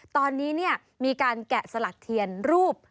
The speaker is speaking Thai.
ตอนนี้มีการแกะสลักเทียนรูป